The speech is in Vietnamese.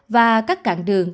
và các cạn đường